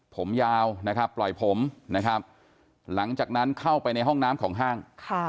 ผมยาวนะครับปล่อยผมนะครับหลังจากนั้นเข้าไปในห้องน้ำของห้าง